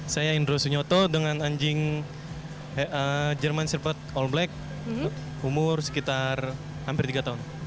saya indro sunyoto dengan anjing german cirpet all black umur sekitar hampir tiga tahun